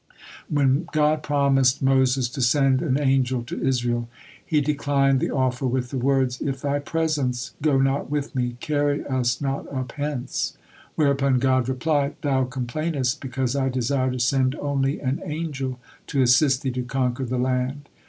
When God promised Moses to send an angel to Israel, he declined the offer with the words: "If Thy presence go not with me, carry us not up hence," whereupon God replied: "Thou complainest because I desire to send only an angel to assist thee to conquer the land.